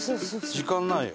時間ないよ。